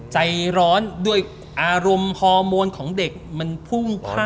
ใจร้อนด้วยอารมณ์ฮอร์โมนของเด็กมันผู้พูมพ่านเลย